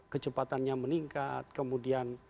kecepatannya meningkat kemudian